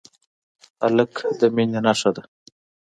هلک د مینې نښه ده.